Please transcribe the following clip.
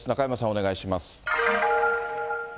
お願いします。